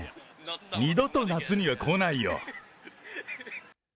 二度と夏には来ないよ。